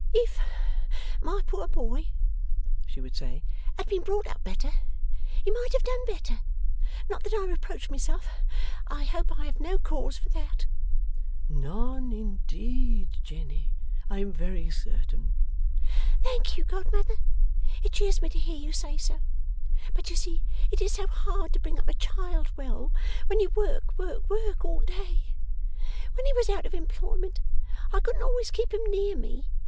'If my poor boy,' she would say, 'had been brought up better, he might have done better. Not that I reproach myself. I hope I have no cause for that.' 'None indeed, Jenny, I am very certain.' 'Thank you, godmother. It cheers me to hear you say so. But you see it is so hard to bring up a child well, when you work, work, work, all day. When he was out of employment, I couldn't always keep him near me.